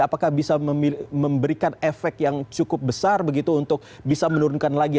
apakah bisa memberikan efek yang cukup besar begitu untuk bisa menurunkan lagi